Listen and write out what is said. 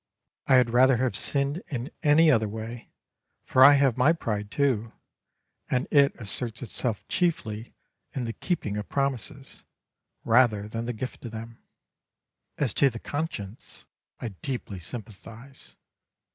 I had rather have sinned in any other way, for I have my pride too, and it asserts itself chiefly in the keeping of promises, rather than the gift of them. As to the conscience, I deeply sympathise.